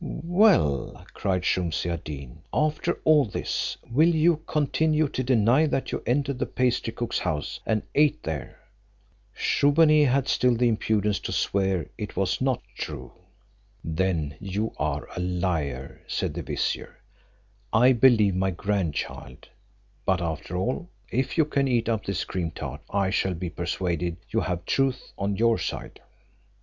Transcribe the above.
"Well," cried Shumse ad Deen, "after all this, will you continue to deny that you entered the pastry cook's house, and ate there?" Shubbaunee had still the impudence to swear it was not true. "Then you are a liar," said the vizier "I believe my grandchild; but after all, if you can eat up this cream tart I shall be persuaded you have truth on your side."